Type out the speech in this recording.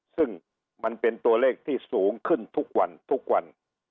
ซึ่งมันเป็นตัวเลขที่สูงขึ้นทุกวันทุกวัน